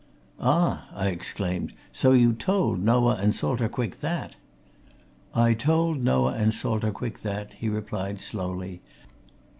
"Ah!" I exclaimed. "So you told Noah and Salter Quick that?" "I told Noah and Salter Quick that," he replied slowly.